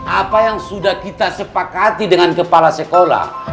apa yang sudah kita sepakati dengan kepala sekolah